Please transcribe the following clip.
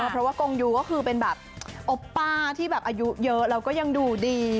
เพราะว่ากงยูก็คือเป็นแบบโอปป้าที่แบบอายุเยอะแล้วก็ยังดูดี